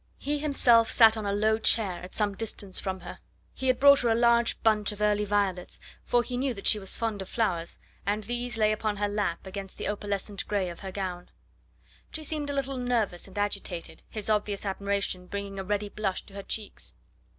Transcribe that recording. He himself sat on a low chair at some distance from her. He had brought her a large bunch of early violets, for he knew that she was fond of flowers, and these lay upon her lap, against the opalescent grey of her gown. She seemed a little nervous and agitated, his obvious admiration bringing a ready blush to her cheeks.